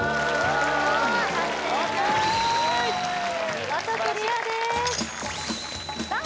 見事クリアですさあ